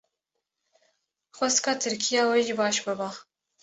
xwesika Tirkiya we jî baş biba.